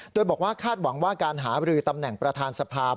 โดยบอกว่าคาดหวังว่าการหาบรือตำแหน่งประธานสภาพ